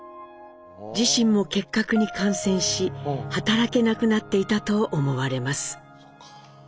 自身も結核に感染し働けなくなっていたと思われます。